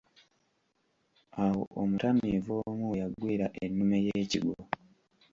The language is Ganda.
Awo omutamiivu omu we yagwira ennume y'ekigwo.